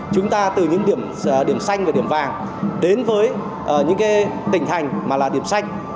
chúng ta từ những điểm xanh và điểm vàng đến với những tỉnh thành mà là điểm xanh